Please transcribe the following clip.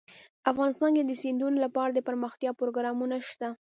افغانستان کې د سیندونه لپاره دپرمختیا پروګرامونه شته.